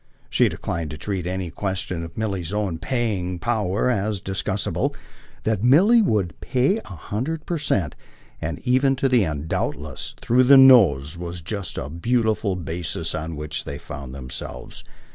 She declined to treat any question of Milly's own "paying" power as discussable; that Milly would pay a hundred per cent and even to the end, doubtless, through the nose was just the beautiful basis on which they found themselves.